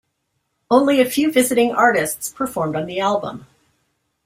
Only a few visiting artists performed on the album.